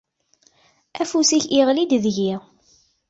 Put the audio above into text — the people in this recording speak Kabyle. Afus-ik iɣli-d deg-i.